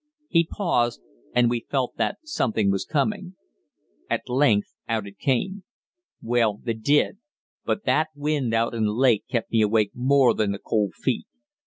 He paused, and we felt that something was coming. At length out it came: "Well, they did, but that wind out in the lake kept me awake more than the cold feet.